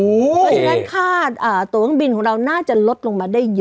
เพราะฉะนั้นค่าตัวเครื่องบินของเราน่าจะลดลงมาได้เยอะ